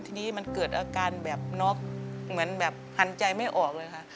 ทีนี้มันเกิดอาการแบบน็อกเหมือนแบบหันใจไม่ออกเลยค่ะ